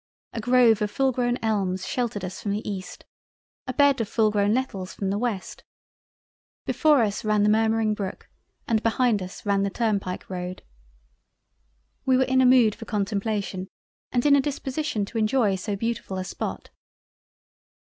A grove of full grown Elms sheltered us from the East—. A Bed of full grown Nettles from the West—. Before us ran the murmuring brook and behind us ran the turn pike road. We were in a mood for contemplation and in a Disposition to enjoy so beautifull a spot.